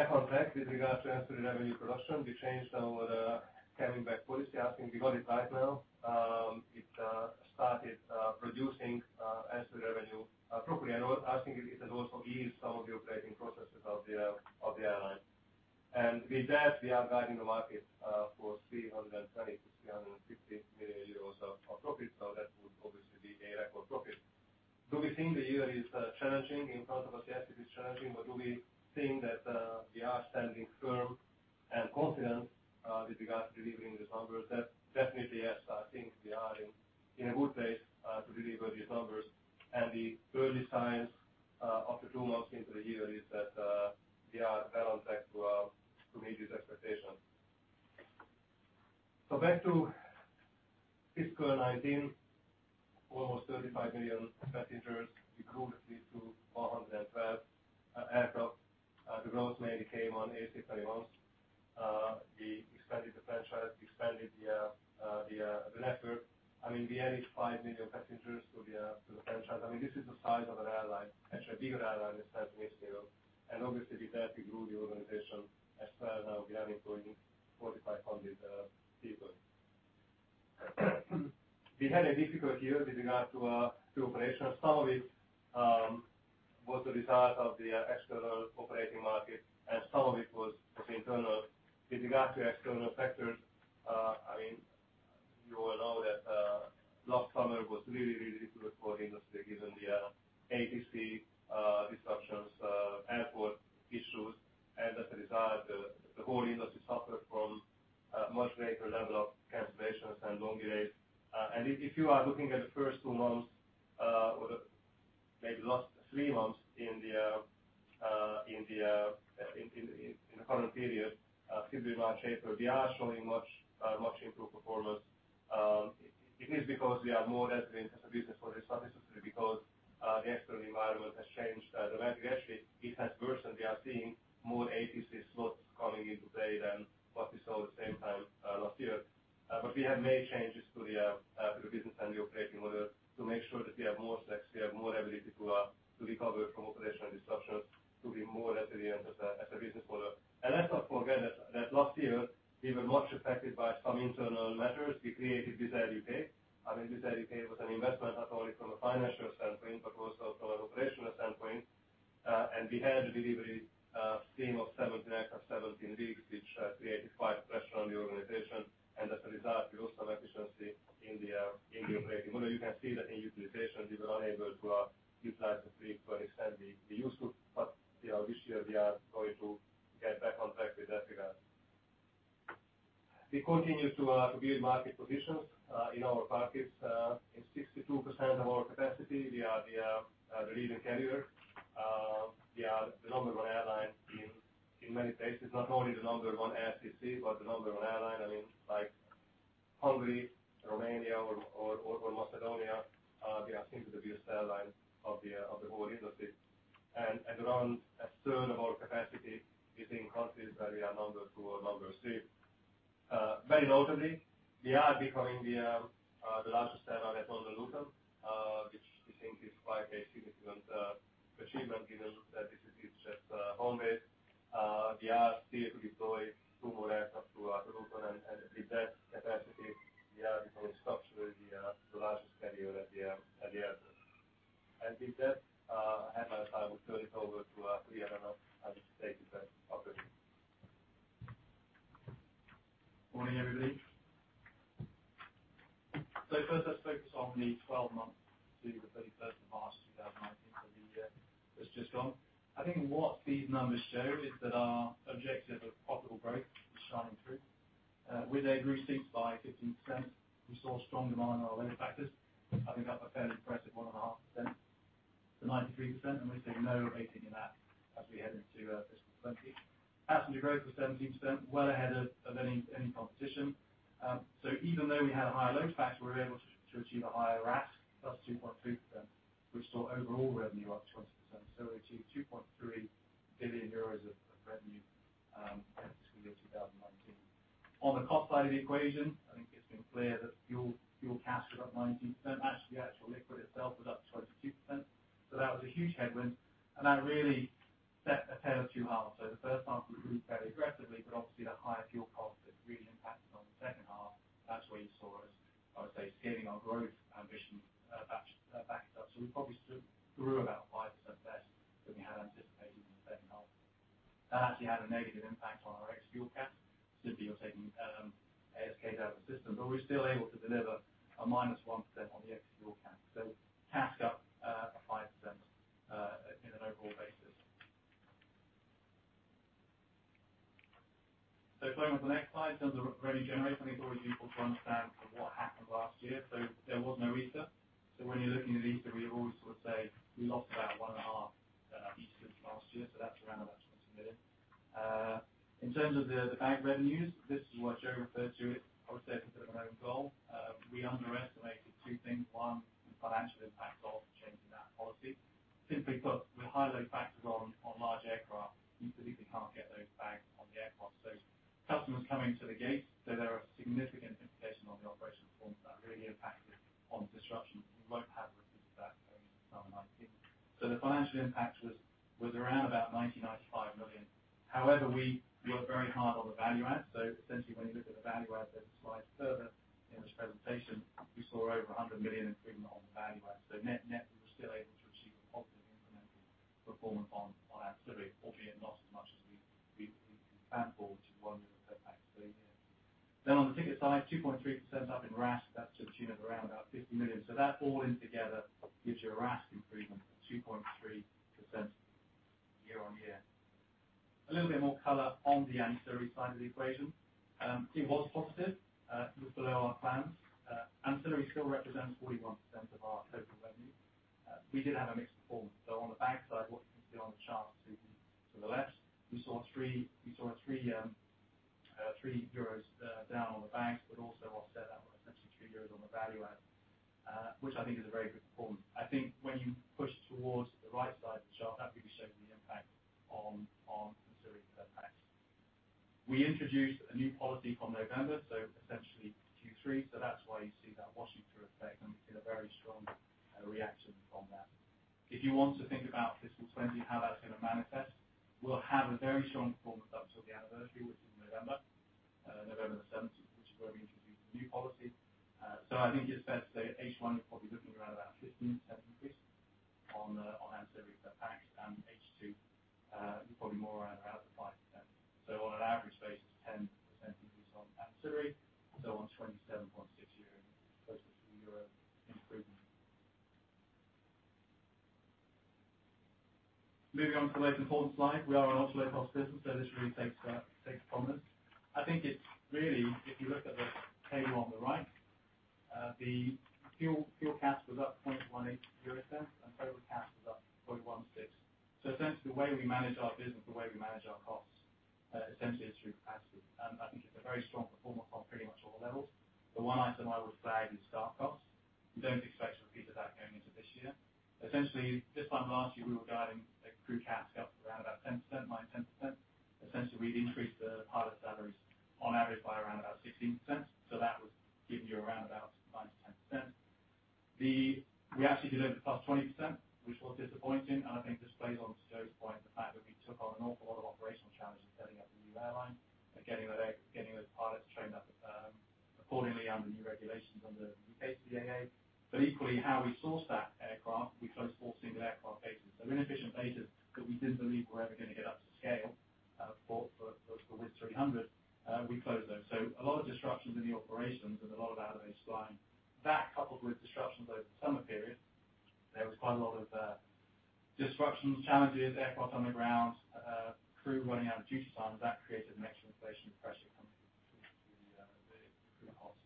in many ways, into our customers, into our operations to make sure that we are a more resilient business together, a more resilient operating model. Especially putting that in context of the industry, how disruptive last summer was, I don't think we can expect much better this time around either. We would stand better to deal with the consequences than last year. Finally, we are back on track with regard to ancillary revenue production. We changed our cabin bag policy. I think we got it right now. It started producing ancillary revenue appropriately. I think it has also eased some of the operating processes of the airline. With that, we are guiding the market for EUR 320 million-EUR 350 million of profit. That would obviously be a record profit. Do we think the year is challenging in front of us? Yes, it is challenging. Do we think that we are standing firm and confident with regards to delivering these numbers? Definitely yes. I think we are in a good place to deliver these numbers, the early signs after 2 months into the year is that we are well on track to meet these expectations. Back to fiscal 2019. Almost 35 million passengers. We grew the fleet to 412 aircraft. The growth mainly came on A321s. We expanded the franchise, expanded the network. We added 5 million passengers to the franchise. This is the size of an airline, actually a bigger airline, than Wizz Air. Obviously with that, we grew the organization as well. Now we are employing 4,500 people. We had a difficult year with regard to operations. Some of it was the result of the external operating market, and some of it was internal. With regard to external factors, you all know that last summer was really difficult for industry given the ATC disruptions, airport issues. As a result, the whole industry suffered from a much greater level of cancellations and long delays. If you are looking at the first two months, or maybe the last three months in the current period, things are much safer. We are showing much improved performance. It is because we are more resilient as a business, but it's not necessarily because the external environment has changed dramatically. Actually, it has worsened. We are seeing more ATC slots coming into play than what we saw at the same time last year. We have made changes to the business and the operating model to make sure that we are more flexible, we have more ability to recover from operational disruptions, to be more resilient as a business model. Let's not forget that last year, we were much affected by some internal matters. We created Wizz Air UK. I mean, Wizz Air UK was an investment not only from a financial standpoint but also from an operational standpoint. We had a delivery scheme of 17 aircrafts, 17 weeks, which created quite pressure on the organization. As a result, we lost some efficiency in the operating model. You can see that in utilization. We were unable to utilize the fleet to an extent we're used to. This year we are going to get back on track with that regard. We continue to build market positions in our markets. In 62% of our capacity, we are the leading carrier. We are the number one airline in many places, not only the number one LCC, but the number one airline. In Hungary, Romania, or Macedonia, we are simply the biggest airline of the whole industry. Around a third of our capacity is in countries where we are number two or number three. Very notably, we are becoming the largest airline at London Luton, which we think is quite a significant achievement given that this is EasyJet's home base. We are still to deploy two more aircraft to Luton, and with that capacity, we are becoming structurally the largest carrier at the airport. As he said, I will turn it over to Ian now to take you through our journey. First, let's focus on the 12 months to March 31, 2019, the year that's just gone. I think what these numbers show is that our objective of profitable growth is shining through. With [available seats] by 15%, we saw strong demand on our load factors, I think up a fairly impressive 1.5% to 93%, and we see no abating in that as we head into FY 2020. Passenger growth was 17%, well ahead of any competition. Even though we had a higher load factor, we were able to achieve a higher RASK, +2.2%, which saw overall revenue up 20%, we achieved 2.3 billion euros of revenue for the year 2019. On the cost side of the equation, I think it's been clear that fuel CASK was up 19%, actually, the actual liquid itself was up On an average basis, 10% increase on ancillary. On EUR 27.60, closely to EUR improvement. Moving on to the most important slide. We are an ultra low-cost business, this really takes prominence. I think it's really, if you look at the table on the right, the fuel CASK was up 0.18, and total CASK was up 0.16. The way we manage our business, the way we manage our costs, essentially is through capacity. I think it's a very strong performer across pretty much all levels. The one item I would flag is staff costs. We don't expect a repeat of that going into this year. This time last year, we were guiding the crew CASK up around about 10%. We'd increased the pilot salaries on average by around about 16%. That was giving you around about 9%-10%. We actually delivered +20%, which was disappointing, and I think this plays on to József's point, the fact that we took on an awful lot of operational challenges setting up a new airline and getting those pilots trained up accordingly under new regulations under U.K. CAA. Equally, how we source that aircraft, we close four single aircraft bases. They're inefficient bases that we didn't believe were ever going to get up to scale for WIZZ 300, we closed those. A lot of disruptions in the operations and a lot of out of base flying. That coupled with disruptions over the summer period, there was quite a lot of disruptions, challenges, aircraft on the ground, crew running out of duty time. That created an extra inflation pressure coming through the crew costs.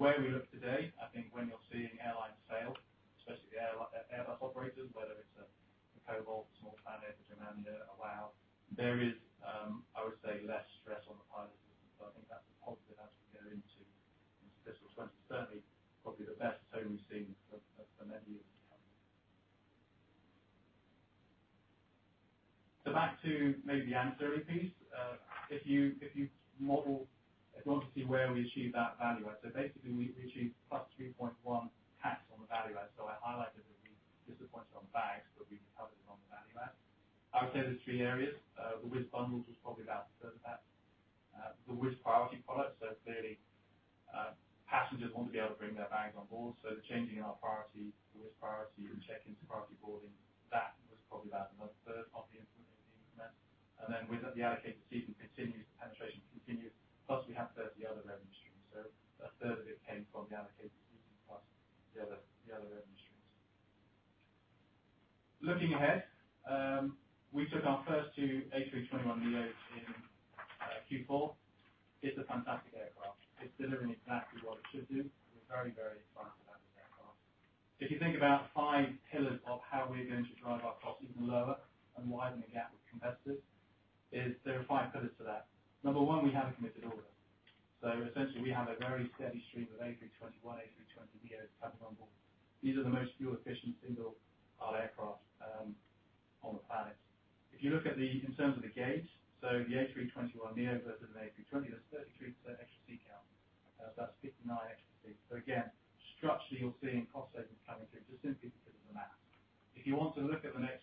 Where we look today, I think when you're seeing airlines fail, especially the Airbus operators, whether it's a Cobalt Air, Small Planet Airlines, Germanwings, WOW air, there is, I would say, less stress on the pilot system. I think that's a positive as we go into fiscal 2020. Certainly, probably the best tone we've seen for many years. Back to maybe ancillary piece. If you model, if you want to see where we achieve that value add. Basically, we achieve +3.1 CASK on the value add. I highlighted that we disappointed on CASK. I would say there are three areas. The WIZZ Bundle was probably about a third of that. The WIZZ Priority product, clearly, passengers want to be able to bring their bags on board. The changing in our priority, the WIZZ Priority and check-in security boarding, that was probably about another third of the increment. With the allocated seating continues, the penetration continues. We have a third of the other revenue streams. A third of it came from the allocated seating, plus the other revenue streams. Looking ahead, we took our first two A321neo in Q4. It's a fantastic aircraft. It's delivering exactly what it should do. We're very, very excited about this aircraft. If you think about five pillars of how we're going to drive our costs even lower and widen the gap with competitors, there are five pillars to that. Number one, we have a committed order. Essentially, we have a very steady stream of A321, A320neo coming on board. These are the most fuel-efficient single aisle aircraft on the planet. If you look at in terms of the gauge, the A321neo versus an A320, that's 33% extra seat count. That's 59 extra seats. Again, structurally, you're seeing cost savings coming through just simply because of the math. If you want to look at the next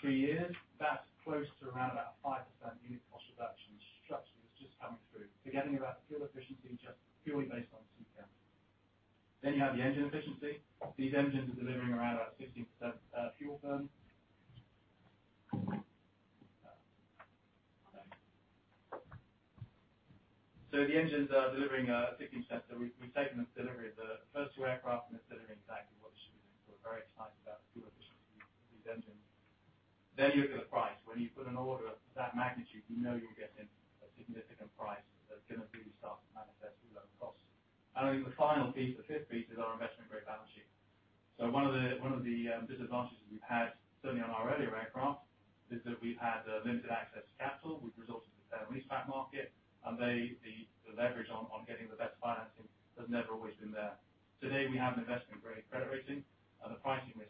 three years, that's close to around about 5% unit cost reduction structurally is just coming through. Again, think about the fuel efficiency just purely based on seat count. You have the engine efficiency. These engines are delivering around about a 15% fuel burn. The engines are delivering a 15%. We've taken delivery of the first two aircraft, and it's delivering exactly what it should be. We're very excited about the fuel efficiency of these engines. You look at the price. When you put an order of that magnitude, you know you're getting a significant price that's going to really start to manifest through lower costs. I think the final piece, the fifth piece, is our investment-grade balance sheet. One of the disadvantages we've had, certainly on our earlier aircraft, is that we've had limited access to capital. We've resorted to the leaseback market, the leverage on getting the best financing has never always been there. Today, we have an investment-grade credit rating, the pricing we're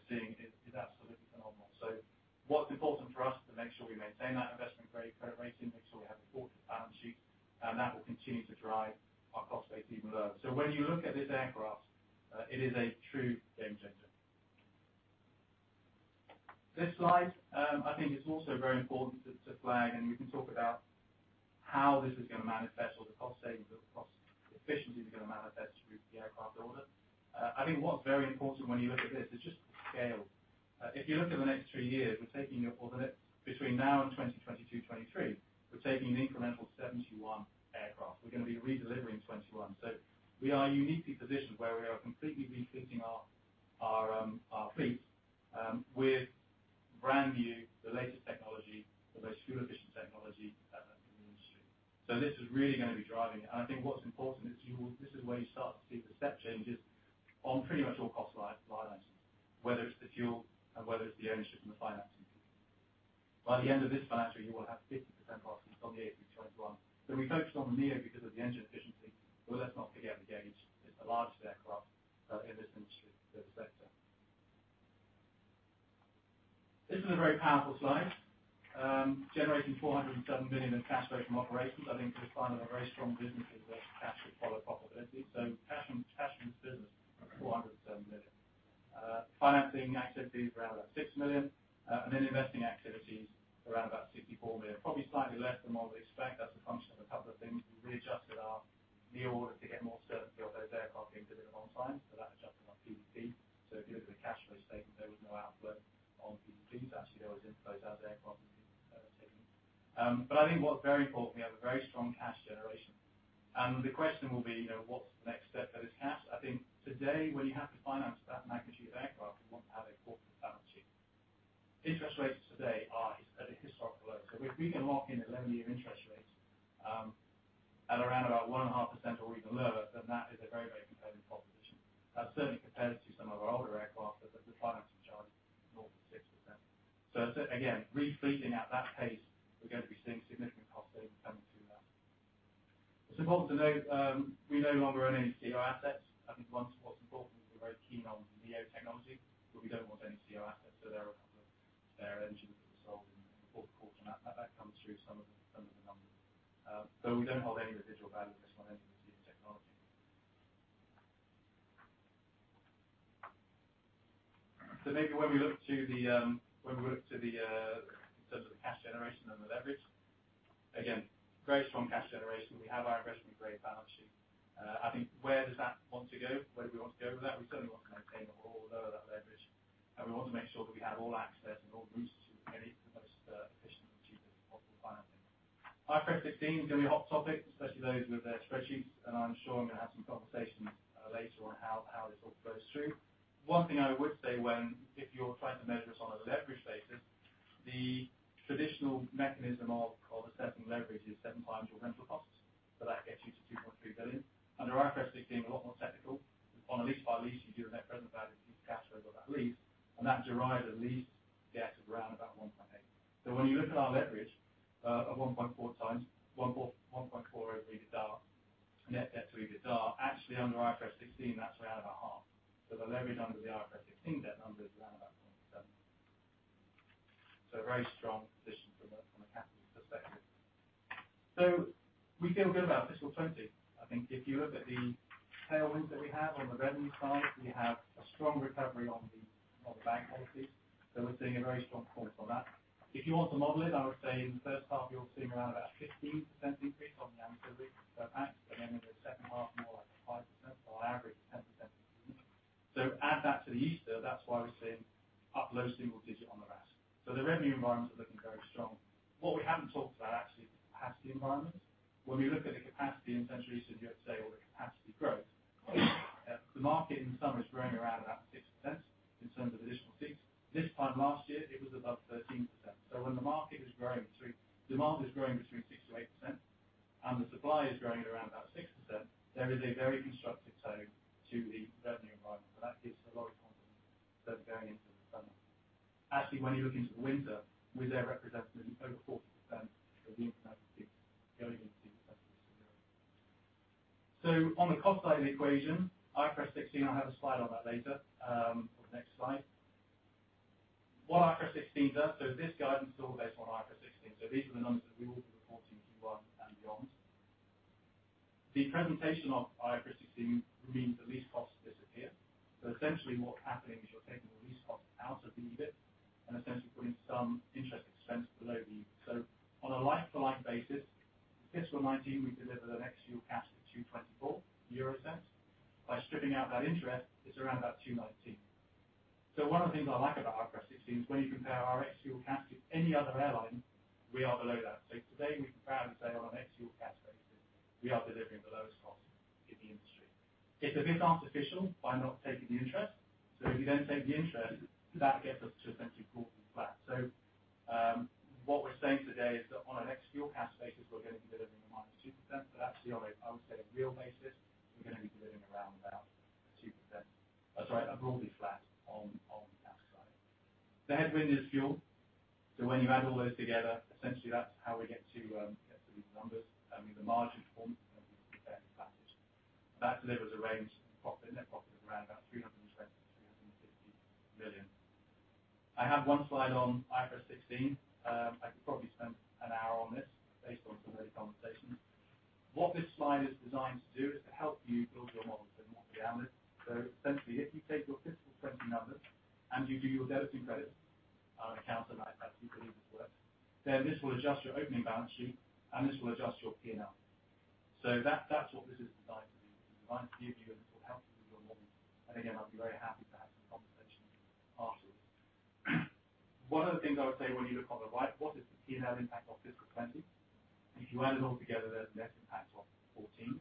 seeing is If you add it all together, there's a net impact of 14.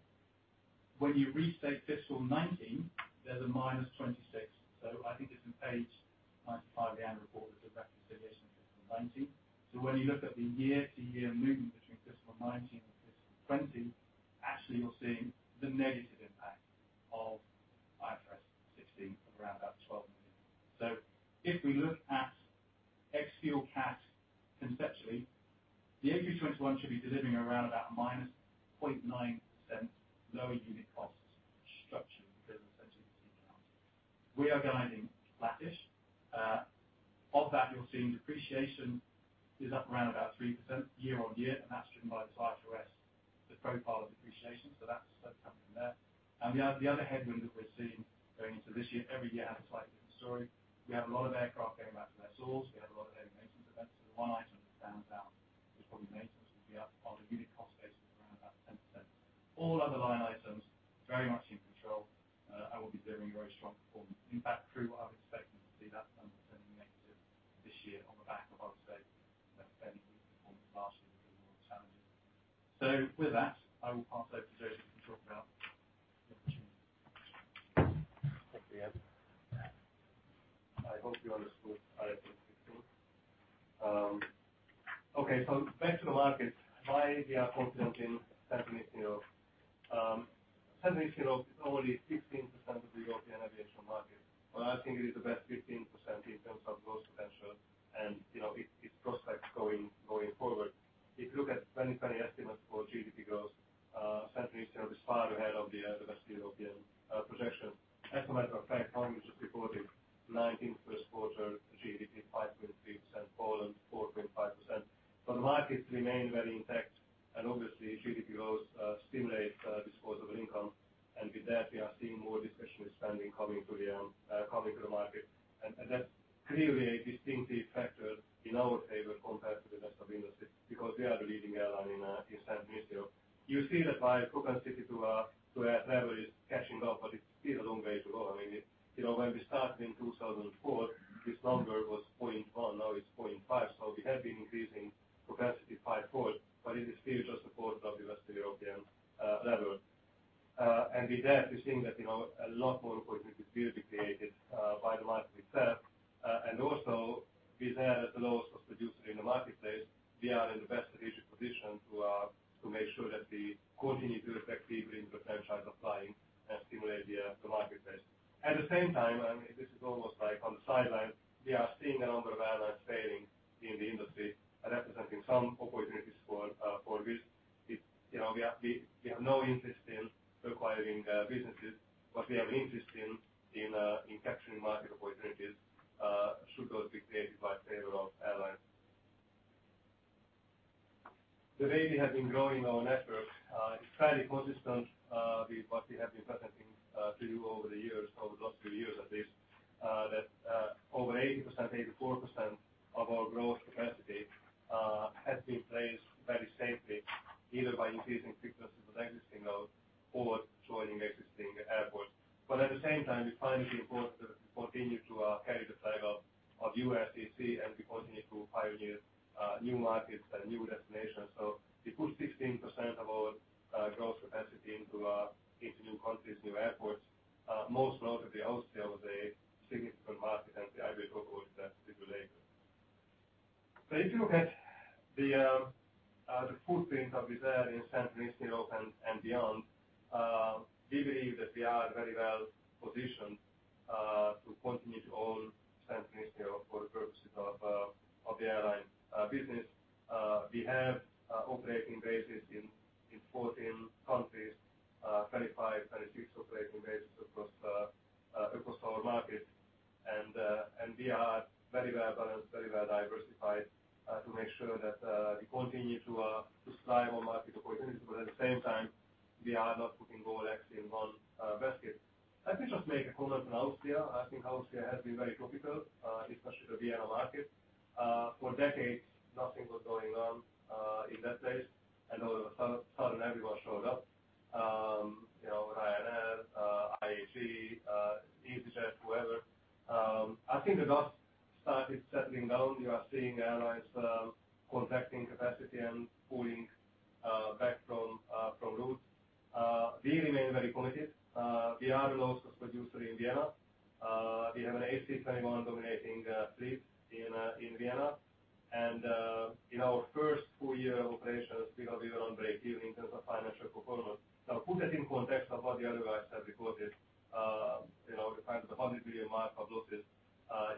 When you restate fiscal 2019, there's a minus 26. I think it's in page 95 of the annual report. There's a reconciliation of fiscal 2019. When you look at the year-to-year movement between fiscal 2019 and fiscal 2020, actually you're seeing the negative impact of IFRS 16 of around about 12 million. If we look at ex-fuel CASK conceptually, the A321 should be delivering around about -0.9% lower unit costs structured because essentially the same accounts. We are guiding flattish. Of that, you're seeing depreciation is up around about 3% year-on-year, and that's driven by the IFRS, the profile of depreciation. That's coming from there. The other headwind that we're seeing going into this year, every year has a slightly different story. We have a lot of aircraft going back to lessors. We have a lot of heavy maintenance events. The one item that stands out is probably maintenance will be up on a unit cost basis of around about 10%. All other line items, very much in control, and will be delivering very strong performance. In fact, crew, I would expect them to be that number turning negative this year on the back of, I would say, better performance last year because it was more challenging. With that, I will pass over to József to talk about the opportunities. Thanks again. I hope you understood IFRS 16. Back to the markets, why we are confident in Central and Eastern Europe. Central and Eastern Europe is only 16% of the European aviation market. I think it is the best 15% in terms of growth potential and its prospects going forward. If you look at 2020 estimates for GDP growth, Central Eastern Europe is far ahead of the rest of European projections. Estimates are, in fact, Hungary just reported 19th first quarter GDP, 5.3%, Poland 4.5%. The markets remain very intact, and obviously GDP growth stimulates disposable income, and with that, we are seeing more discretionary spending coming to the market. That's clearly a distinctive factor in our favor compared to the rest of the industry because we are the leading airline in Central and Eastern Europe. You see that my capacity to our network is catching up, In our first full year of operations, we are even on breakthrough in terms of financial performance. Now, put that in context of what the other guys have reported, the kind of the EUR 100 million mark of losses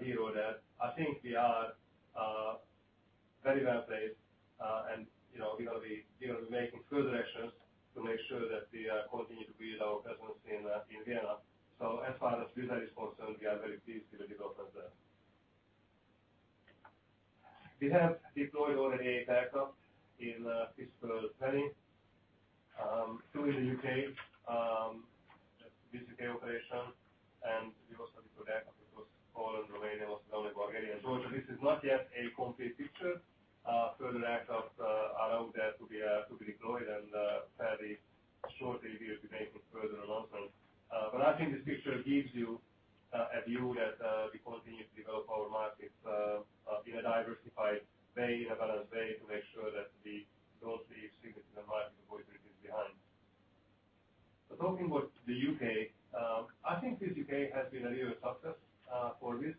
here or there. I think we are very well-placed, and we will be making further actions to make sure that we continue to build our presence in Vienna. As far as Wizz Air is concerned, we are very pleased with the development there. We have deployed already eight aircraft in fiscal 2020, two in the U.K., Wizz Air U.K. operation, and we also deployed aircraft across Poland, Romania, Slovakia, and Bulgaria. This is not yet a complete picture. Further aircraft are out there to be deployed. Fairly shortly, we will be making further announcements. I think this picture gives you a view that we continue to develop our markets in a diversified way, in a balanced way, to make sure that we don't leave significant market opportunities behind. Talking about the U.K., I think Wizz Air U.K. has been a real success for Wizz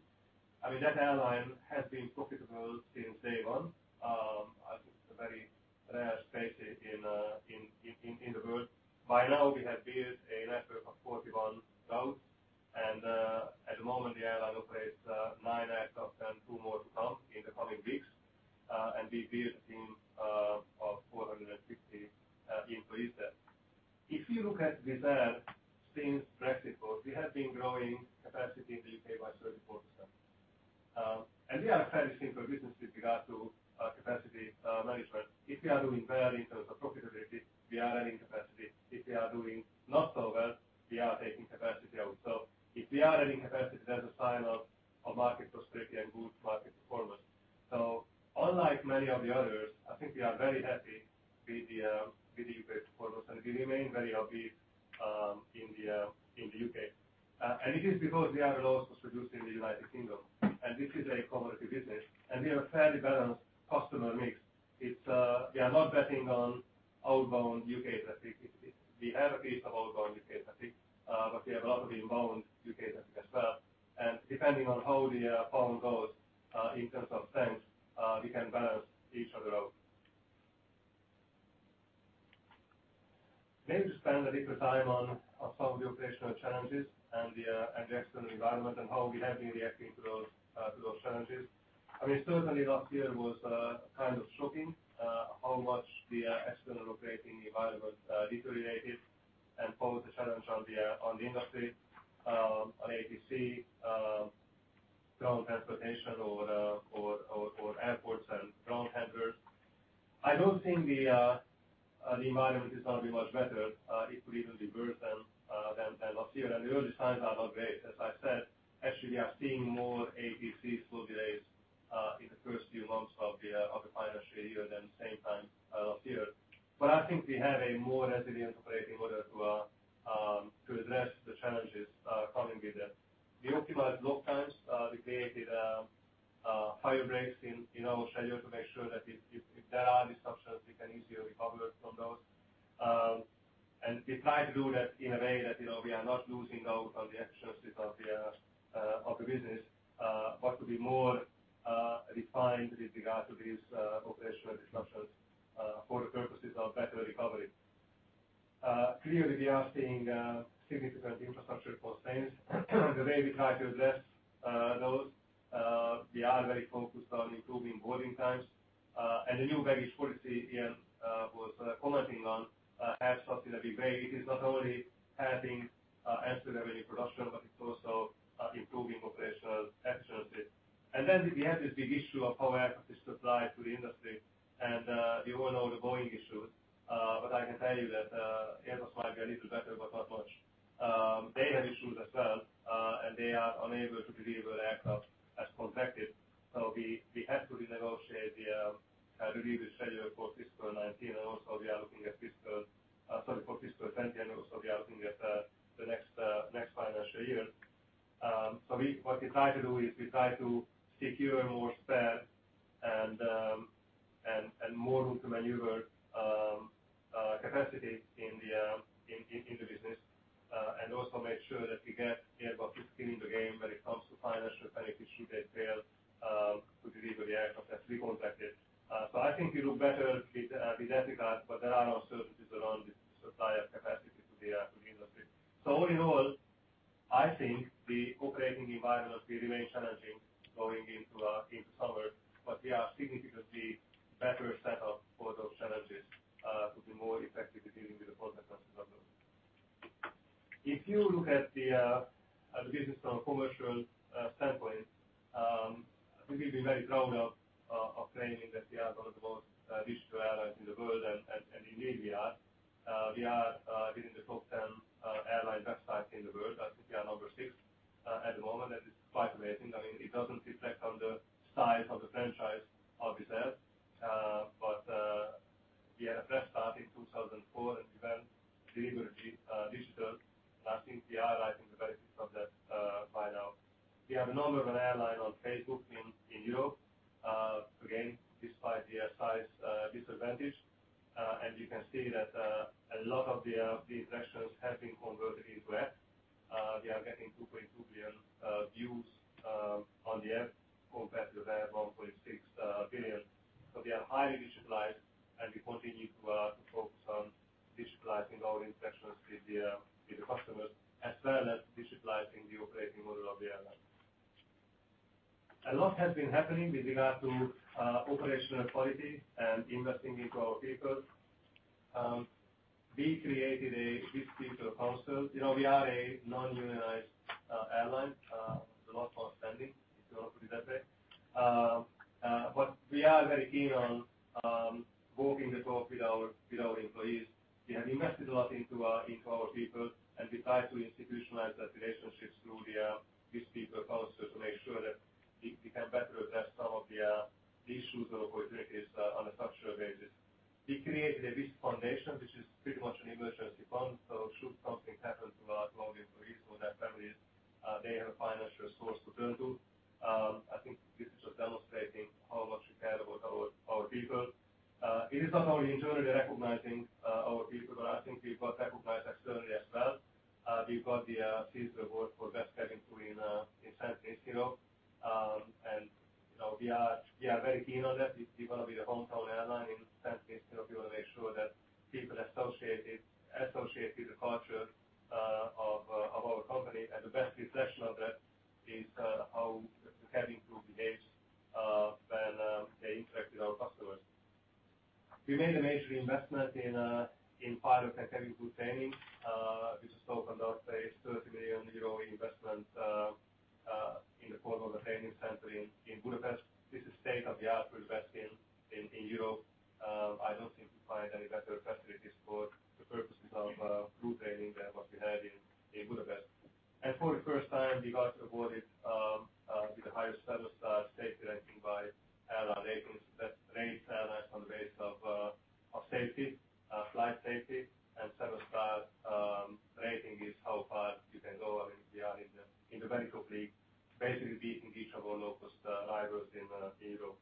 Air. That airline has been profitable since day one. I think it's a very rare space in the world. By now, we have built a network of 41 routes, and at the moment, the airline operates nine aircraft and two more to come in the coming weeks. We've built a team of 460 employees there. If you look at Wizz Air since Brexit vote, we have been growing capacity in the U.K. by 34%. We are a fairly simple business with regard to capacity management. If we are doing well in terms of profitability, we are adding capacity. If we are doing not so well, we are taking capacity out. If we are adding capacity, that's a sign of a market prosperity and good market performance. Unlike many of the others, I think we are very happy with the U.K. performance, and we remain very upbeat in the U.K. It is because we are the lowest cost producer in the United Kingdom, and this is a commodity business, and we have a fairly balanced customer mix. We are not betting on outbound U.K. traffic. We have a piece of outbound U.K. traffic, but we have a lot of inbound U.K. traffic as well. Depending on how the pound goes in terms of strength, we can balance each other out. Maybe spend a little time on some of the operational challenges and the external environment and how we have been reacting to those challenges. Certainly last year was kind of shocking how much the external operating environment deteriorated and posed a challenge on the industry, on ATC, ground transportation, or airports and ground handlers. I don't think the environment is going to be much better. It could even be worse than last year. The early signs are not great. As I said, actually, we are seeing more ATC fluctuations in the first few months of the financial year than the same time last year. I think we have a more resilient operating model to address the challenges coming with it. We optimized block times. We created higher breaks in our schedule to make sure that if there are disruptions, we can easily recover from those. We try to do that in a way that we are not losing out on the elasticity of the business, but to be more refined with regard to these operational disruptions for the purposes of better recovery. Clearly, we are seeing significant infrastructure constraints. The way we try to address those, we are very focused on improving boarding times. The new baggage policy Ian was commenting on has helped in a big way. It is not only helping us to have a reduction, but it's also improving operational excellence. Then we have this big issue of how aircraft is supplied to the industry. You all know the Boeing issues, but I can tell you that Airbus might be a little better, but not much. They have issues as well, and they are unable to deliver aircraft as contracted. We had to renegotiate the delivery schedule for FY 2019, and also we are looking at FY 2020, and also we are looking at the next financial year. What we try to do is we try to secure more that we can better address some of the issues or vulnerabilities on a structural basis. We created a Wizz Foundation, which is pretty much an emergency fund. Should something happen to our loyal employees or their families, they have a financial source to turn to. I think this is just demonstrating how much we care about our people. It is not only internally recognizing our people, but I think we got recognized externally as well. We've got the CAPA Award for Best Cabin Crew in San Francisco. And we are very keen on that. We want to be the hometown airline in San Francisco. We want to make sure that people associate with the culture of our company, and the best reflection of that is how the cabin crew behaves when they interact with our customers. We made a major investment in pilot and cabin crew training, which is spoken about a 30 million euro investment in the form of a training center in Budapest. This is state-of-the-art for investing in Europe. I don't think you'll find any better facilities for the purposes of crew training than what we have in Budapest. For the first time, we got awarded with the highest Seven Star Safety rating by AirlineRatings.com that rates airlines on the basis of safety, flight safety, and Seven Star rating is how far you can go, and we are in the very top league, basically beating each of our lowest rivals in Europe.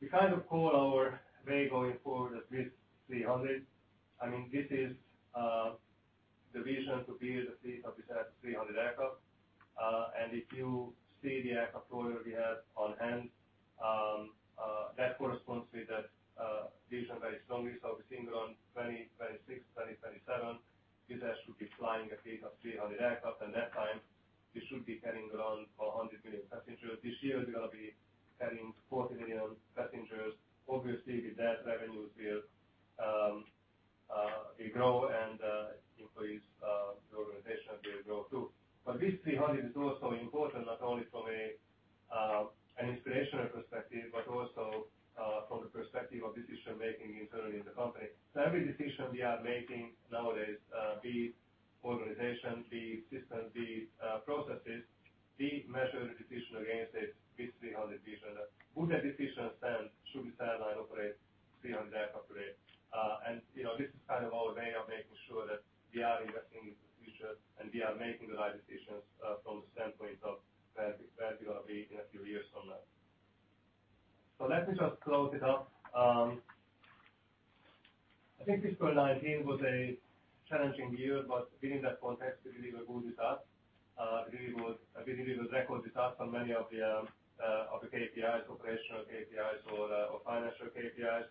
We kind of call our way going forward the WIZZ 300. This is the vision to be a fleet of 300 aircraft. And if you see the aircraft order we have on hand, that corresponds with that vision very strongly. So we're seeing around 2026, 2027, Wizz Air should be flying a fleet of 300 aircraft. At that time, we should be carrying around 100 million passengers. This year, we're going to be carrying 40 million passengers. Obviously, with that, revenues will grow and employees, the organization will grow, too. WIZZ 300 is also important not only from an inspirational perspective, but also from the perspective of decision-making internally in the company. Every decision we are making nowadays, be it organization, be it systems, be it processes, we measure the decision against a WIZZ 300 vision. Would that decision stand should Wizz Air operate 300 aircraft today? This is kind of our way of making sure that we are investing in the future and we are making the right decisions from the standpoint of where we're going to be in a few years from now. I think 2019 was a challenging year, but within that context, we believe we built this up. I believe we will record this up on many of the KPIs, operational KPIs or financial KPIs.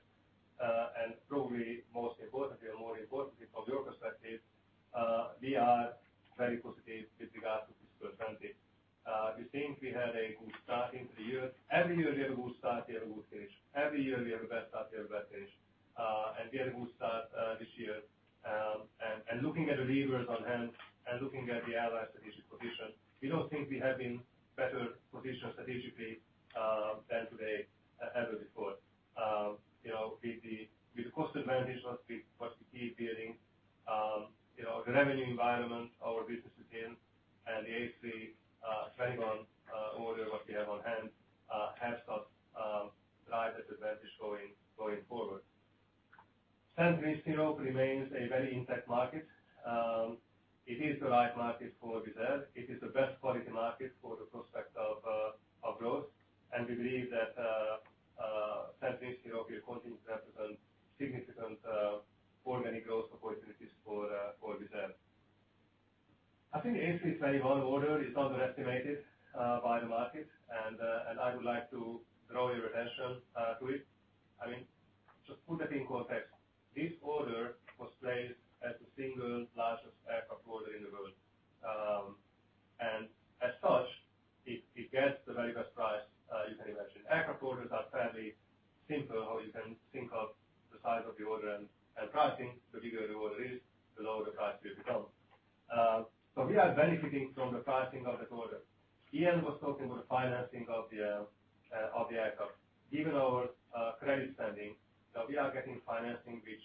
Probably most importantly, or more importantly from your perspective, we are very positive with regards to 2020. We think we had a good start into the year. Every year we have a good start, we have a good finish. Every year we have the best start, we have the best finish. We had a good start this year. Looking at the levers on hand and looking at the airline strategic position, we don't think we have been better positioned strategically than today, ever before. With the cost advantage was the key bearing, the revenue environment our business is in, and the A321 order what we have on hand helps us drive that advantage going forward. Central and Eastern Europe remains a very intact market. It is the right market for Wizz Air. It is the best quality market for the prospect of growth. We believe that Central and Eastern Europe will continue to represent significant organic growth opportunities for Wizz Air. I think the A321 order is underestimated by the market, and I would like to draw your attention to it. I mean, just put that in context. This order was placed as the single largest aircraft order in the world. As such, it gets the very best price you can imagine. Aircraft orders are fairly simple, or you can think of the size of the order and pricing. The bigger the order is, the lower the price will become. We are benefiting from the pricing of this order. Ian was talking about financing of the aircraft. Given our credit standing, we are getting financing which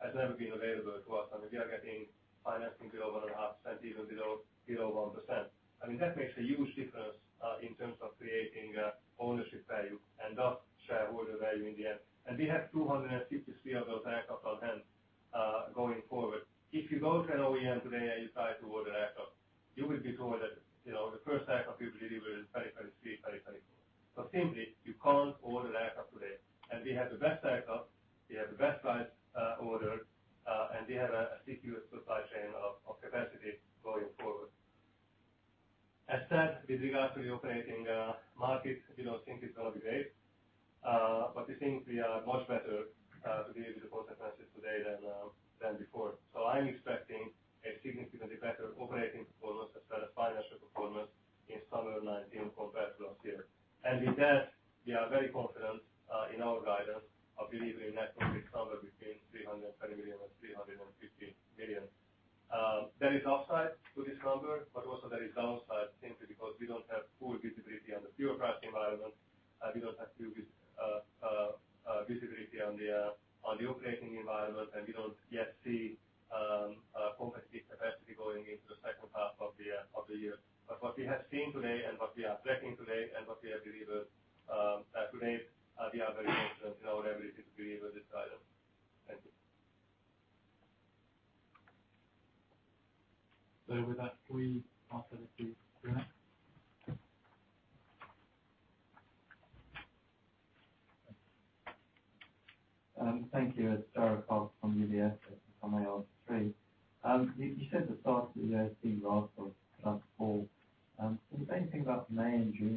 has never been available to us. I mean, we are getting financing below 1.5%, even below 1%. I mean, that makes a huge difference in terms of creating ownership value and thus shareholder value in the end. We have 253 of those aircrafts on hand going forward. If you go to an OEM today and you try to order aircraft, you will be told that the first aircraft you will deliver is 2023, 2024. Simply, you can't order aircraft today. We have the best aircraft, we have the best price ordered, and we have a secure supply chain of capacity going forward. As such, with regard to the operating market, we don't think it's going to be great, but we think we are much better to deal with the cost advances today than before. I am expecting a significantly better operating performance as well as financial performance in summer 2019 compared to last year. With that, we are very confident in our guidance of believing that number is somewhere between 320 million and 350 million. There is upside to this number, but also there is downside simply because we don't have full visibility on the fuel price environment, and we don't have full visibility on the operating environment, and we don't yet see competitive capacity going into the second half of the year. What we have seen today and what we are expecting today and what we have delivered today, we are very confident in our ability to deliver this guidance. Thank you. With that, we pass over to the room. Thank you. It's Jarrod Castle from UBS, from UBS. You said at the start of the year seeing growth of last fall. The same thing about May and June,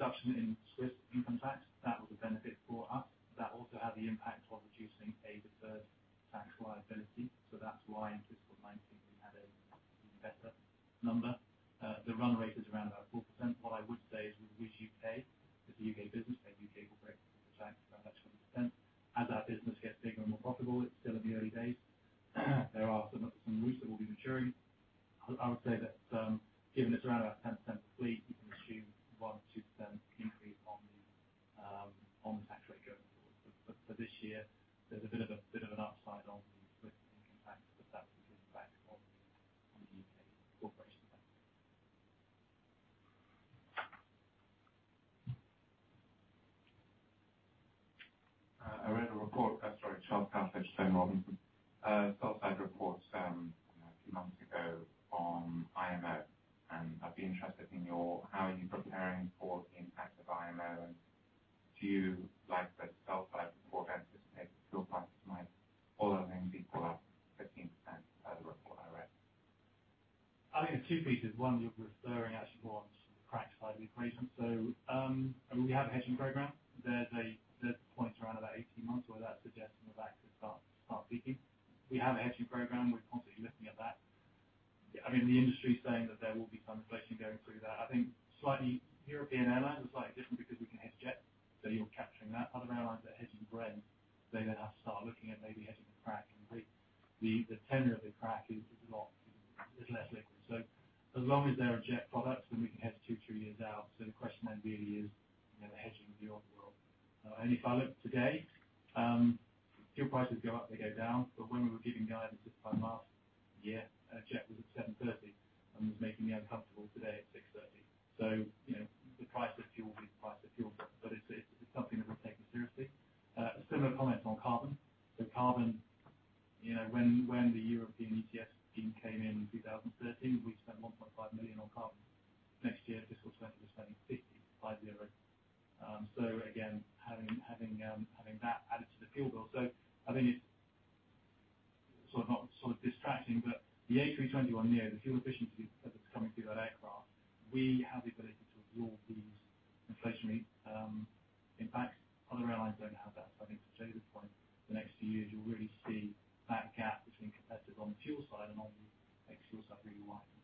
there was a reduction in million. Again, having that added to the fuel bill. I think it's sort of distracting, but the A321neo, the fuel efficiency that's coming through that aircraft, we have the ability to absorb these inflationary. In fact, other airlines don't have that. I think to József's point, the next few years, you'll really see that gap between competitors on the fuel side and on the side really widen.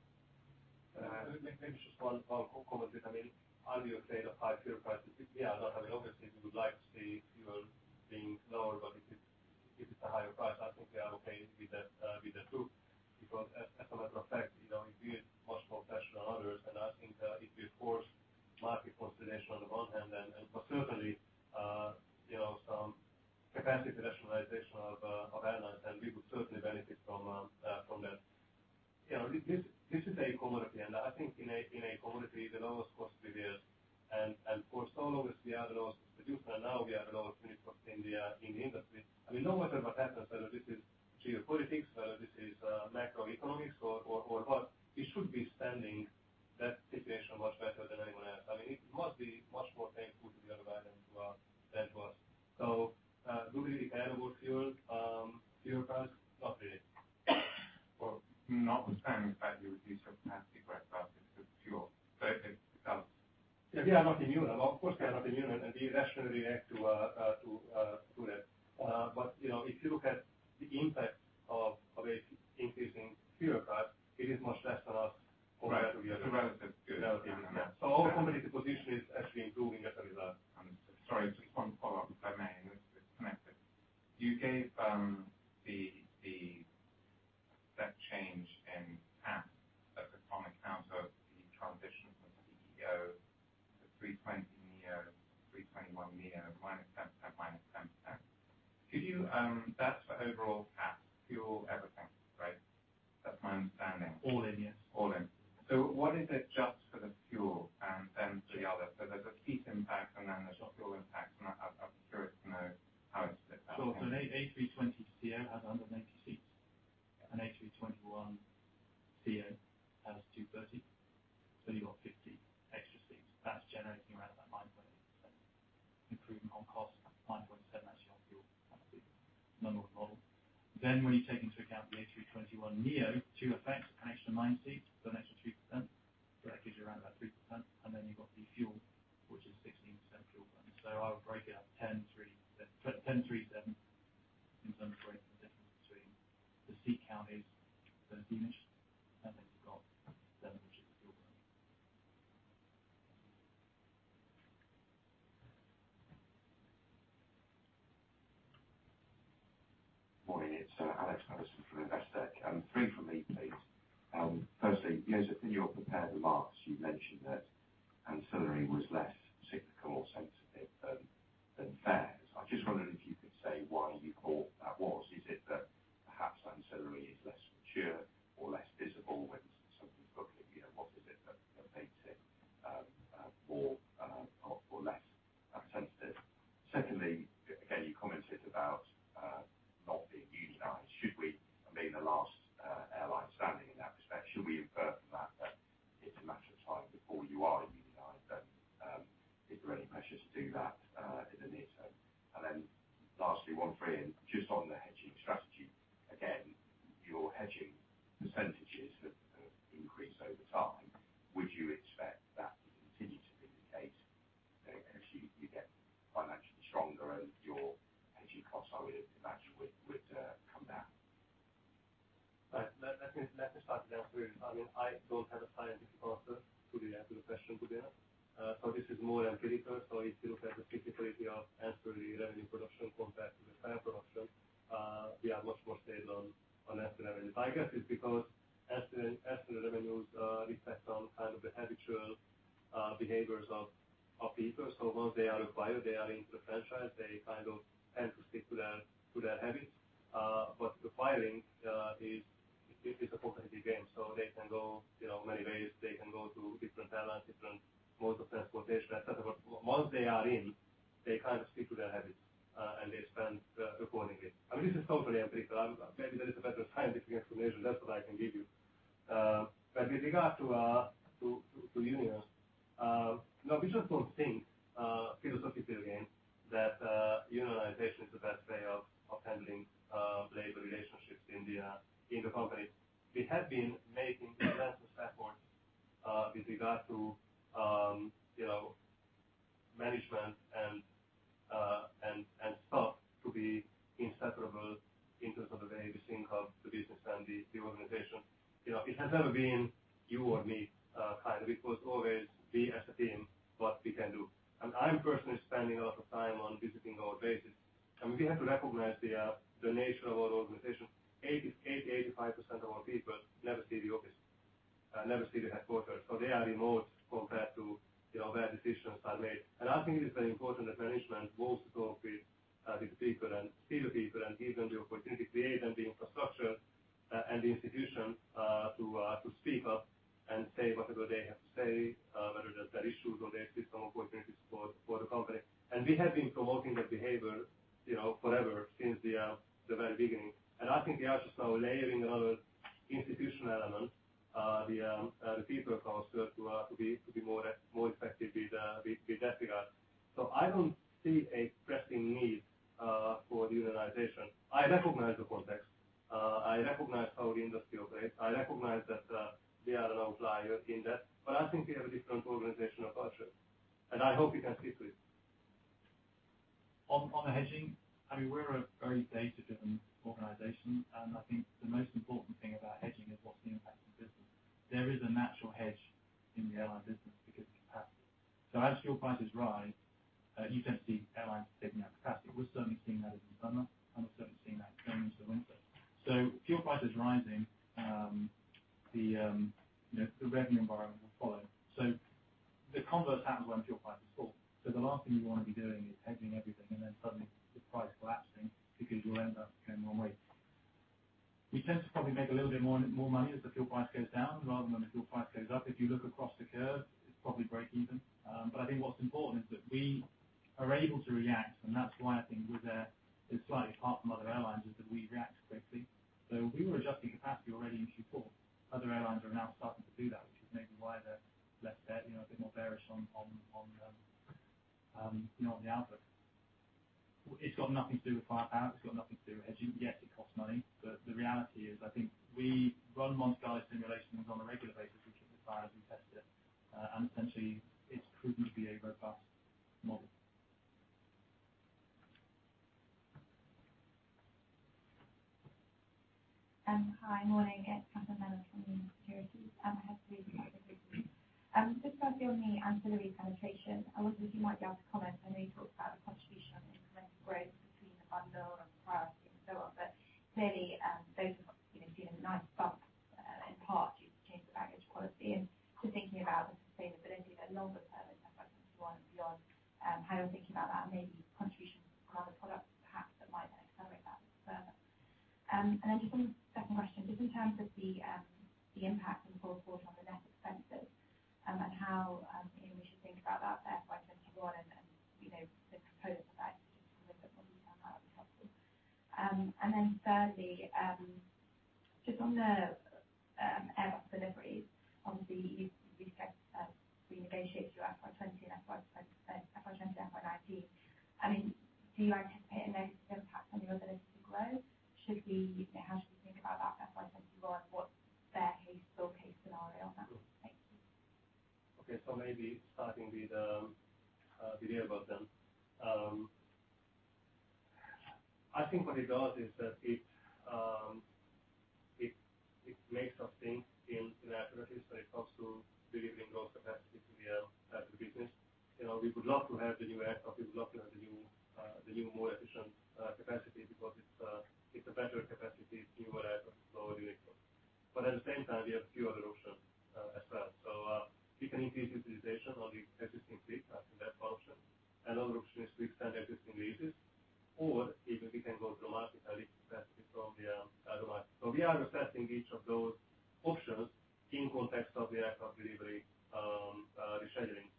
Maybe just one comment. Are we afraid of high fuel prices? Yeah, I mean, obviously, we would like to see fuel being lower. If it's a higher price, I think we are okay with the two because as a matter of fact, we are much more professional than others, and I think it will force market consolidation on the one hand and for certainly some capacity rationalization of airlines, and we would certainly benefit from that. This is a commodity, and I think in a commodity, the lowest cost prevails. For so long as we are the lowest producer, now we are the lowest unit cost in the industry. No matter what happens, whether this is geopolitics, whether this is macroeconomics or what, we should be standing that situation much better than anyone else. It must be much more painful to the other airlines who are less cost. Do we really care about fuel price? Not really. Well, not the same value. These are fantastic aircraft. It's the fuel. Yeah, we are not immune. Of course, we are not immune, and we rationally react to that. If you look at the impact of an increasing fuel price, it is much less for us compared to the others. Right. It's a relative given amount. our competitive position is actually improving, not worse. Sorry, just one follow-up, if I may, and it's connected. You gave the net change in CASK that was on account of the transition from the ceo to A320neo, A321neo, -10%, -10%. That's for overall and then modes of transportation, et cetera. Once they are in, they kind of stick to their habits, and they spend accordingly. This is totally empirical. Maybe there is a better scientific explanation. That's what I can give you. With regard to unions, no, we just don't think philosophically, again, that unionization is the best way of handling labor relationships in the company. We have been making investments therefore with regard to management and staff to be inseparable in terms of the way we think of the business and the organization. It has never been you or me. It was always we as a team, what we can do. I'm personally spending a lot of time on visiting our bases. We have to recognize the nature of our organization. 80% to 85% of our people never see the office, never see the headquarters. They are remote compared to where decisions are made. I think it is very important that management wants to talk with these people and see the people, and give them the opportunity to create the infrastructure and the institution to speak up and say whatever they have to say, whether that's their issues or their system of working to support the company. We have been promoting that behavior forever, since the very beginning. I think we are just now layering other institutional elements, the People Council to be more effective with that regard. I don't see a pressing need for unionization. I recognize the context. I recognize how the industry operates. I recognize that we are an outlier in that. I think we have a different organizational culture, and I hope we can stick to it. On the hedging, we're a very data-driven organization. think inaccurately when it comes to delivering those capacities to the business. We would love to have the new aircraft. We would love to have the new, more efficient capacity because it's a better capacity, it's newer aircraft, it's lower unit cost. At the same time, we have a few other options as well. We can increase utilization of the existing fleet. That's one option. Another option is to extend existing leases, or even we can go to market and lease capacity from the other markets. We are assessing each of those options in context of the aircraft delivery rescheduling.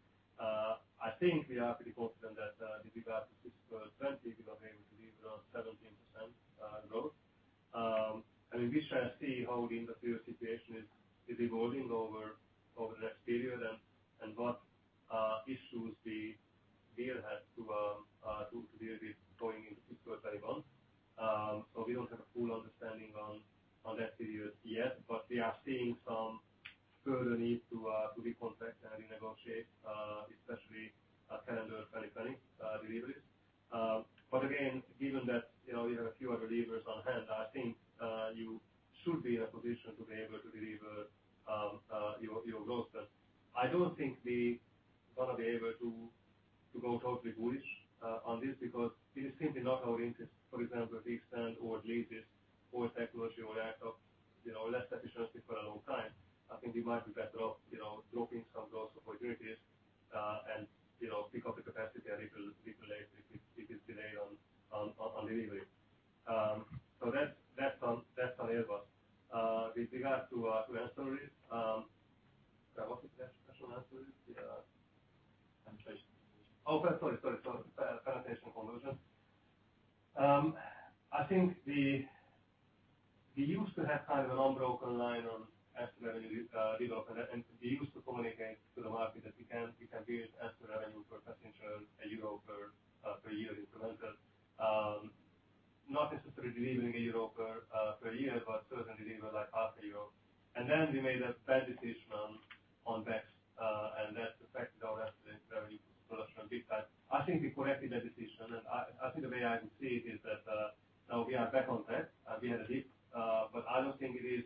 I think we are pretty confident that with regard to fiscal 2020, we will be able to deliver on 17% growth. We shall see how the industry situation is evolving over the next period and what issues the year has to deal with going into fiscal 2021. We don't have a full understanding on that period yet. We are seeing some further need to recontract and renegotiate, especially calendar 2020 deliveries. Again, given that we have a few other levers on hand, I think you should be in a position to be able to deliver your growth. I don't think we are going to be able to go totally bullish on this because it is simply not our interest. For example, to extend old leases, old technology, or aircraft, less efficiency for a long time. I think we might be better off dropping some of those opportunities, and pick up the capacity and take this delay on delivery. That's on Airbus. With regard to Ancillary. There was a question on Ancillary? Penetration. Okay, sorry. Penetration conversion. I think we used to have kind of an unbroken line on ancillary revenue. We used to communicate to the market that we can build ancillary revenue per passenger, EUR 1 per year incremental. Not necessarily delivering EUR 1 per year, but certainly delivering like half a EUR. Then we made a bad decision on bags, that affected our ancillary revenue production big time. I think we corrected that decision. I think the way I can see it is that now we are back on track. We had a dip. I don't think it is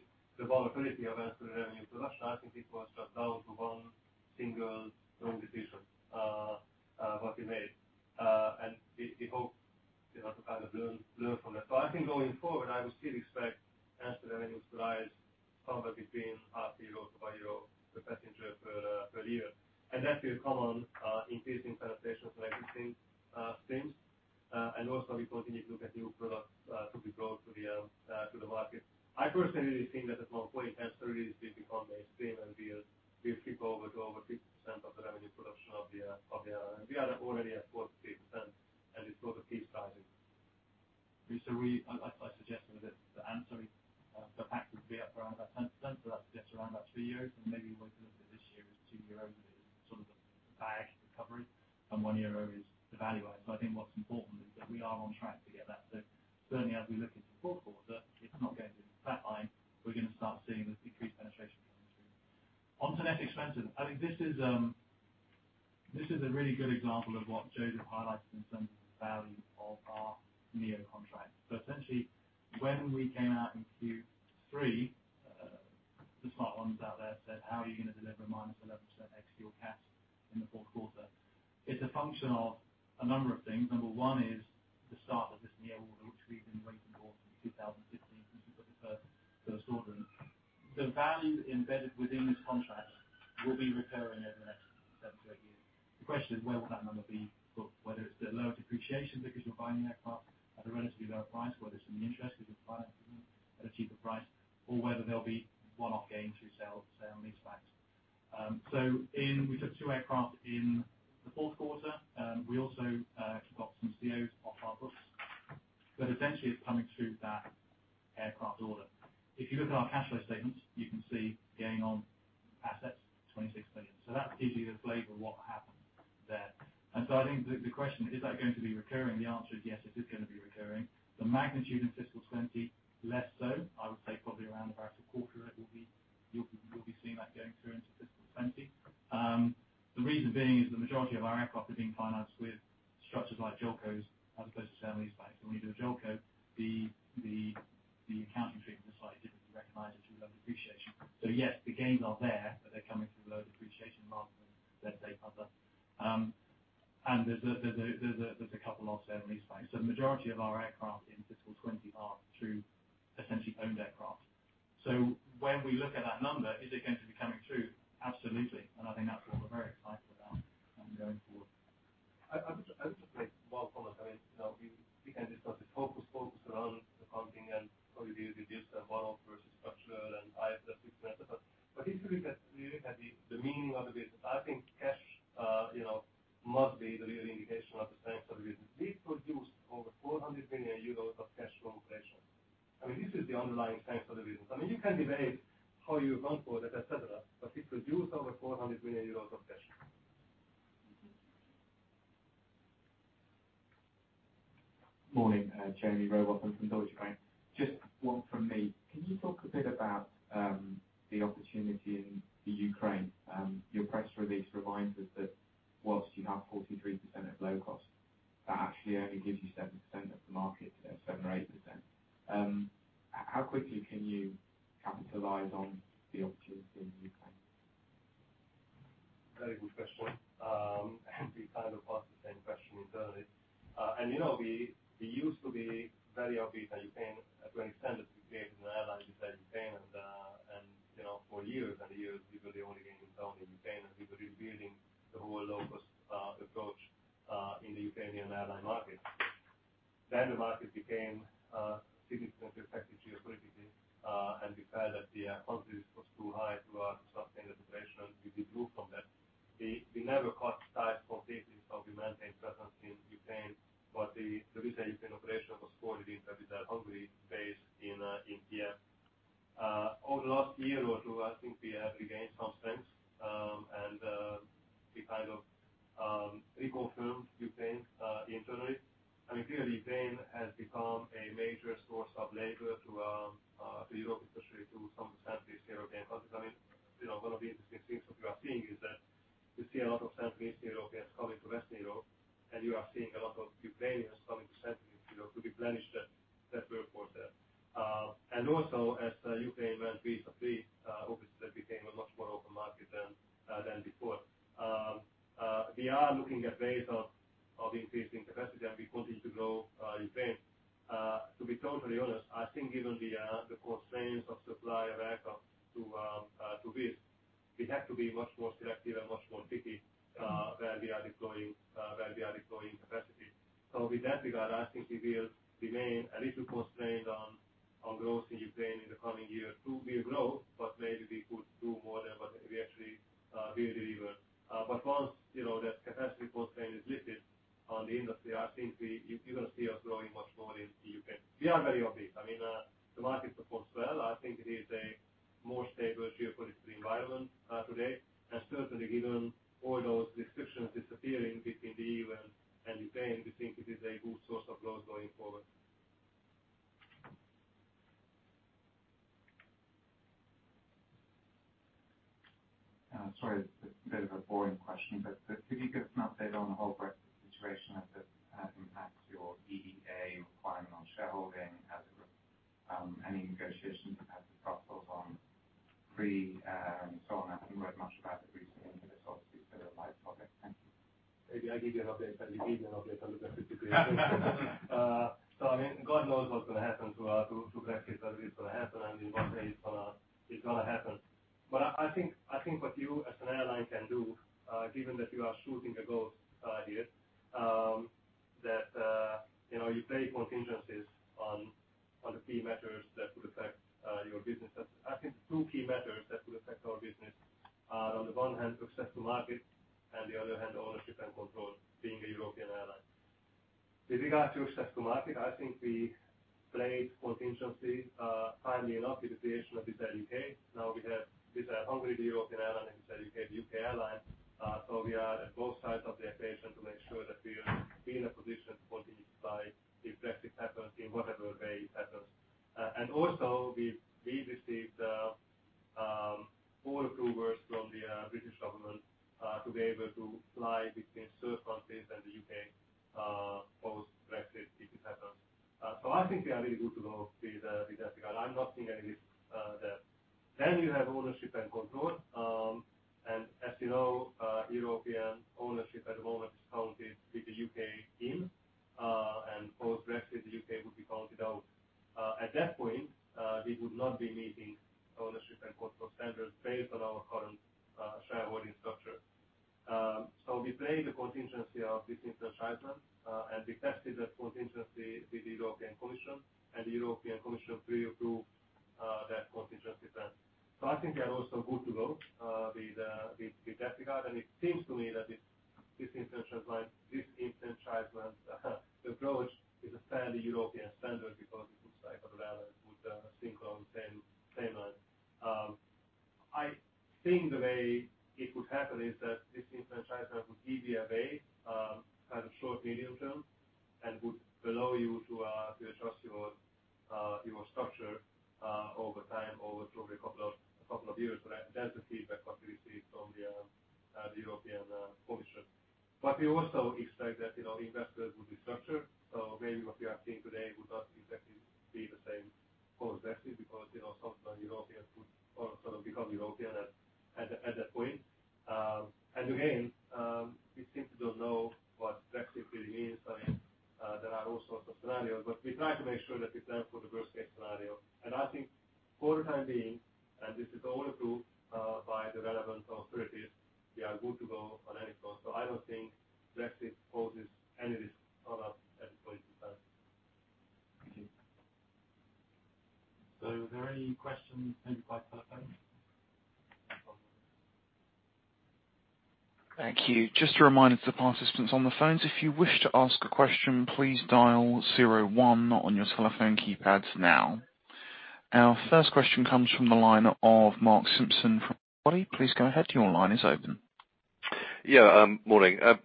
Yeah. Morning. A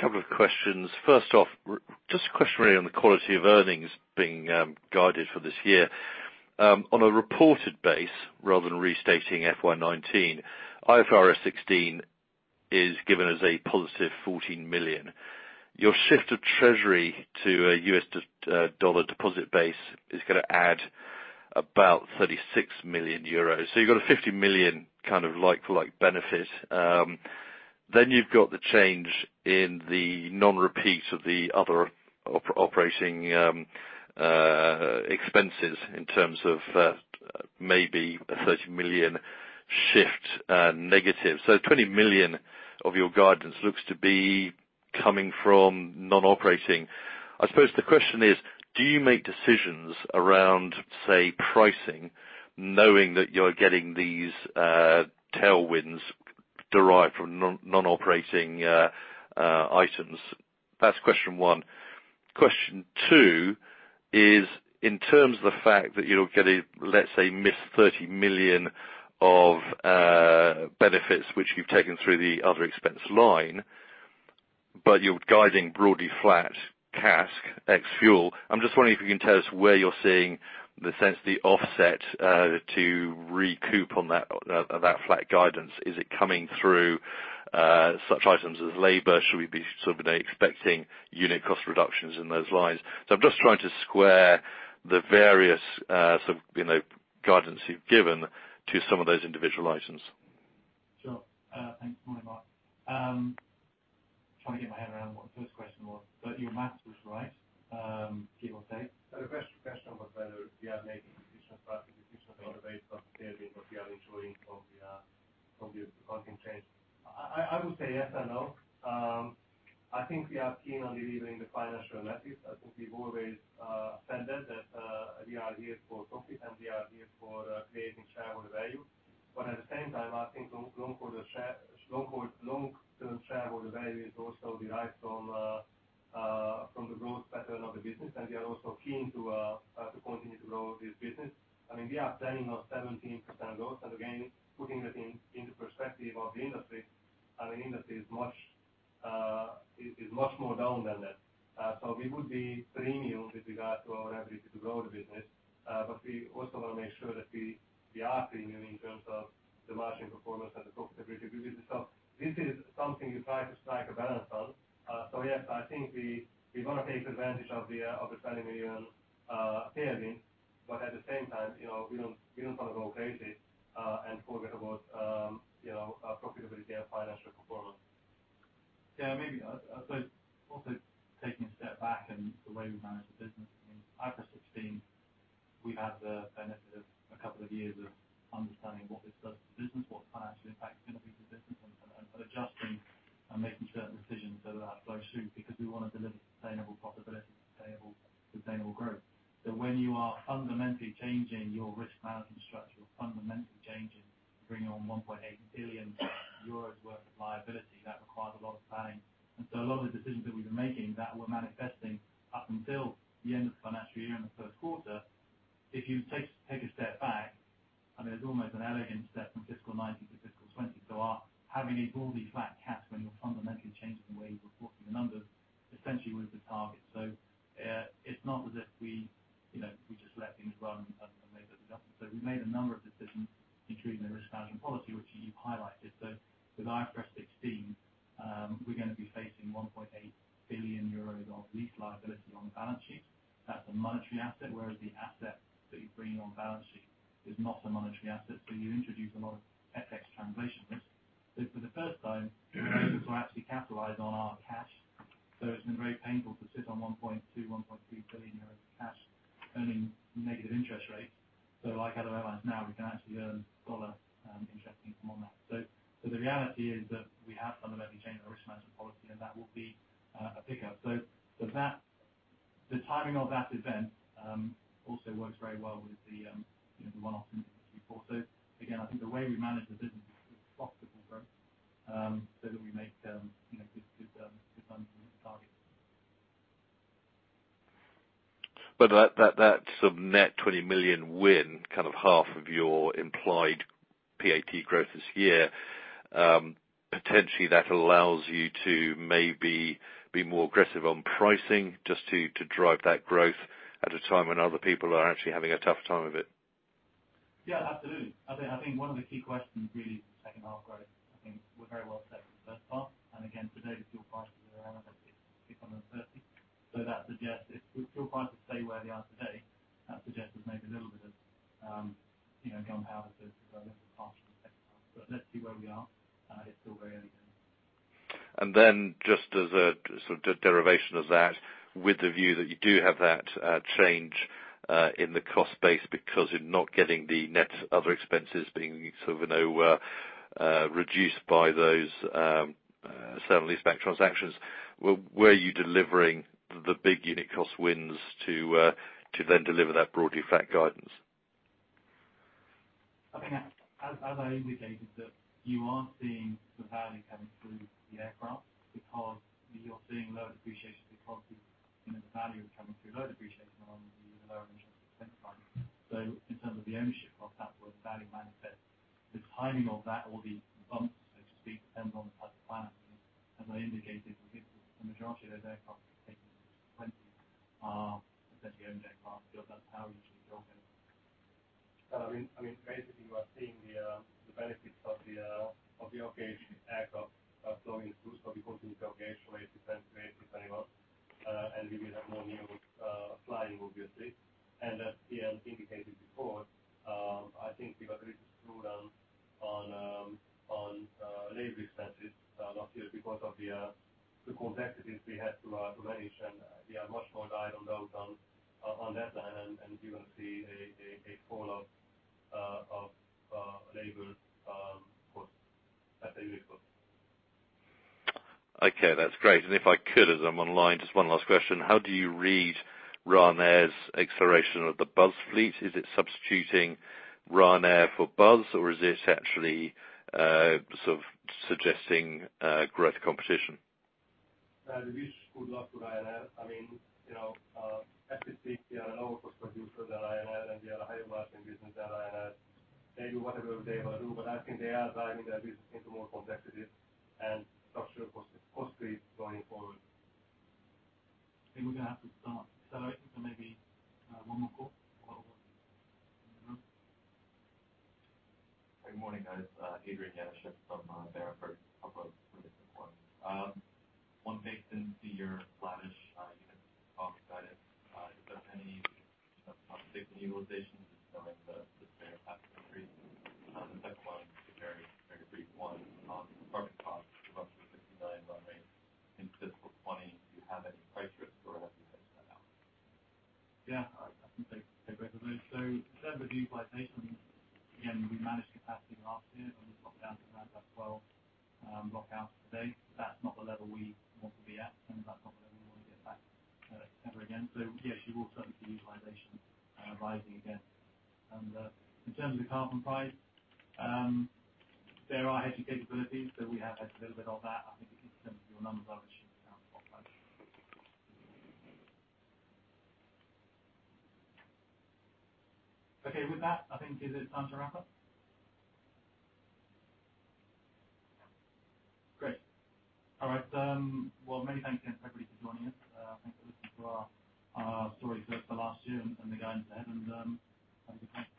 couple of questions. First off, just a question really on the quality of earnings being guided for this year. On a reported base, rather than restating FY 2019, IFRS 16 is given as a positive 14 million. Your shift of treasury to a U.S. dollar deposit base is going to add about 36 million euros. You've got a 50 million like for like benefit. You've got the change in the non-repeat of the other operating expenses in terms of maybe a 30 million shift negative. 20 million of your guidance looks to be coming from non-operating. I suppose the question is, do you make decisions around, say, pricing, knowing that you're getting these tailwinds derived from non-operating items? That's question one. Question two is, in terms of the fact that you're getting, let's say, 30 million of benefits, which you've taken through the other expense line, but you're guiding broadly flat CASK ex-fuel. I'm just wondering if you can tell us where you're seeing the sense the offset to recoup on that flat guidance. Is it coming through such items as labor? Should we be expecting unit cost reductions in those lines? I'm just trying to square the various guidance you've given to some of those individual items. Sure. Thanks. Morning, Mark. I'm trying to get my head around what the first question was, your math was right. Keep on saving. The first question was whether we are making decisions based on savings that we are ensuring from the accounting change. I would say yes and no. I think we are keen on delivering the financial that suggests there's maybe a little bit of gunpowder to drive up the second half. Let's see where we are. It's still very early. Just as a sort of derivation of that, with the view that you do have that change in the cost base because you're not getting the net other expenses being sort of reduced by those sale and leaseback transactions. Where are you delivering the big unit cost wins to then deliver that broadly flat guidance? I think as I indicated that you are seeing the value coming through the aircraft because you're seeing lower depreciation because the value of coming through lower depreciation and lower interest expense side. In terms of the ownership of that where the value manifests. The timing of that or the bumps, so to speak, depends on the type of financing. As I indicated, I think the majority of those A320 because that's how we usually go ahead. I mean, basically, we are seeing the benefits of the Occasion Act of flowing through. Because of the occasional rates, it benefits very well. We will have more new routes applying, obviously. As Ian indicated before, I think we got really prudent on labor expenses last year because of the complexities we had to manage, and we are much more dialed out on that side. You will see a fall of labor costs as a result. Okay, that's great. If I could, as I'm online, just one last question. How do you read Ryanair's exploration of the Buzz fleet? Is it substituting Ryanair for Buzz or is this actually suggesting growth competition? We wish good luck to Ryanair. As you speak, we are a lower cost producer than Ryanair, and we are a higher margin business than Ryanair. They do whatever they will do, but I think they are driving their business into more complexities and structural costs going forward. I think we're going to have to start accelerating. Maybe one more call. Good morning, guys. Adrian Janaszek from Berenberg. Couple of quick ones. One based into your latest unit cost guidance. Is there any uptick in utilization just knowing the spare capacity? Second one, very brief one on carbon costs of up to EUR 50 million run rate in FY 2020. Do you have any price risk or have you hedged that out? Yeah. I can take both of those. In terms of utilization, again, we managed capacity last year and we got down to around about 12 block hours a day. That's not the level we want to be at, and that's not where we want to get back ever again. Yes, you will certainly see utilization rising again. In terms of the carbon price, there are hedging capabilities. We have hedged a little bit of that. I think in terms of your numbers, I would assume it's down spot price. Okay. With that, I think is it time to wrap up? Great. All right. Many thanks again, everybody, for joining us. Thanks for listening to our story for the last year and the guidance ahead. Thank you.